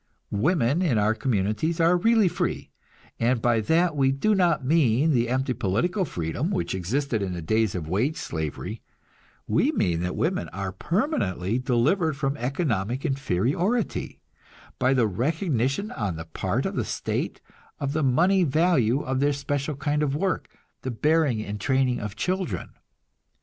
Women in our communities are really free; and by that we do not mean the empty political freedom which existed in the days of wage slavery we mean that women are permanently delivered from economic inferiority, by the recognition on the part of the state of the money value of their special kind of work, the bearing and training of children.